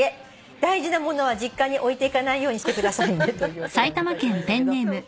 「大事な物は実家に置いていかないようにしてくださいね」というお手紙を頂きましたけど。